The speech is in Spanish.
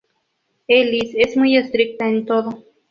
Ellis es muy estricta en todo.